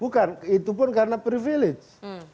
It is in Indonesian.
bukan itu pun karena privilege